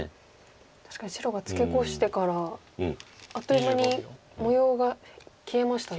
確かに白がツケコしてからあっという間に模様が消えましたね。